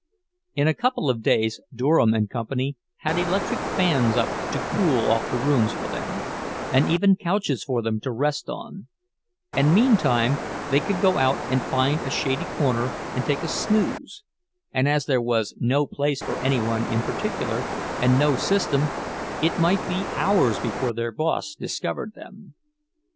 In a couple of days Durham and Company had electric fans up to cool off the rooms for them, and even couches for them to rest on; and meantime they could go out and find a shady corner and take a "snooze," and as there was no place for any one in particular, and no system, it might be hours before their boss discovered them.